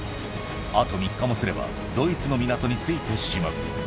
あと３日もすればドイツの港に着いてしまう。